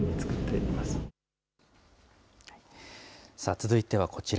続いてはこちら。